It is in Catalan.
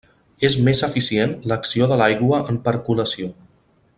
És més eficient l'acció de l'aigua en percolació.